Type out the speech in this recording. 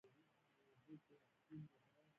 د امریکا متحده ایالتونو ولسمشر حضور برجسته و.